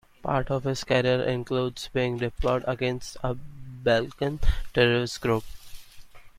Part of his career includes being deployed against a Balkan terrorist group.